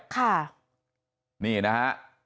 ค่ะนี่นะฮะ